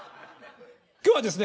今日はですね